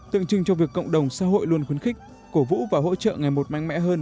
tượng trưng cho việc cộng đồng xã hội luôn khuyến khích cổ vũ và hỗ trợ ngày một mạnh mẽ hơn